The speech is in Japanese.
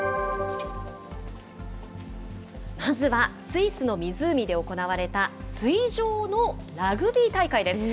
まずはスイスの湖で行われた水上のラグビー大会です。